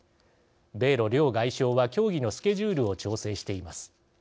米ロ両外相は協議のスケジュールを調整しています。